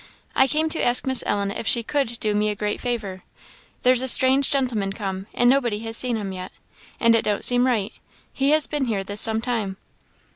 "I came to ask Miss Ellen if she could do me a great favour? There's a strange gentleman come, and nobody has seen him yet, and it don't seem right. He has been here this some time."